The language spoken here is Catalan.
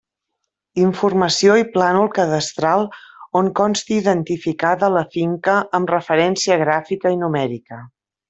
Informació i plànol cadastral on consti identificada la finca amb referència gràfica i numèrica.